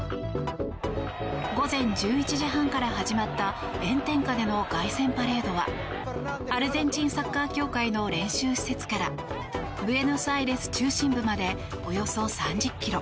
午前１１時半から始まった炎天下での凱旋パレードはアルゼンチンサッカー協会の練習施設からブエノスアイレス中心部までおよそ３０ｋｍ。